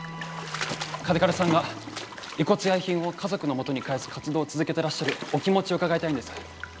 嘉手刈さんが遺骨や遺品を家族のもとに返す活動を続けてらっしゃるお気持ちを伺いたいんです。